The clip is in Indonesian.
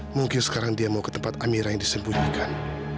mungkin sekarang dia mau ke tempat amirah yang disembunyikan